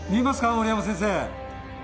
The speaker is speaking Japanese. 森山先生。